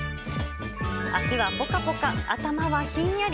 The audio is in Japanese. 足はぽかぽか、頭はひんやり。